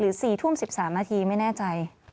หรือ๔๑๓นาทีไม่แน่ใจ